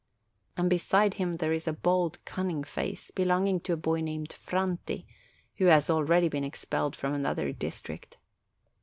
And beside him there is a bold, cunning face, belonging to a boy named Franti, who has al ready been expelled from another district.